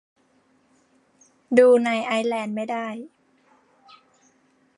ดูในไอร์แลนด์ไม่ได้